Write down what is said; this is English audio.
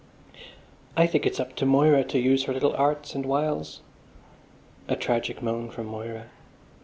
"I think its up to Moira to use her little arts and wiles." A tragic moan from Moira.